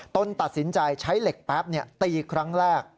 ตัดสินใจใช้เหล็กแป๊บตีครั้งแรก